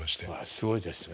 すごいですね。